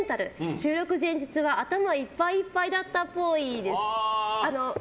収録前日は頭いっぱいいっぱいだったっぽい。